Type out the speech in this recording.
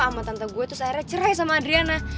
sama tante gue terus akhirnya cerai sama adriana